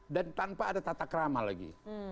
dan tanpa ada tata krama lagi